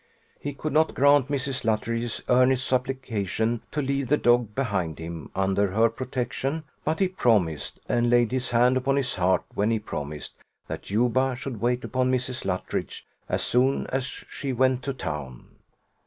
He could not grant Mrs. Luttridge's earnest supplication to leave the dog behind him under her protection; but he promised and laid his hand upon his heart when he promised that Juba should wait upon Mrs. Luttridge as soon as she went to town.